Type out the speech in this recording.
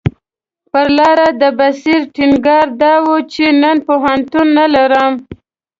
پر لاره د بصیر ټینګار دا و چې نن پوهنتون نه لرم.